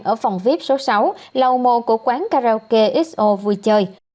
ở phòng vip số sáu lầu mồ của quán karaoke xo vui chơi